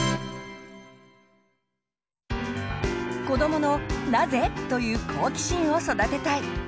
子どもの「なぜ？」という好奇心を育てたい！